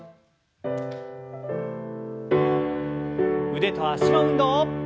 腕と脚の運動。